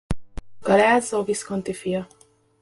Galeazzo Visconti fia.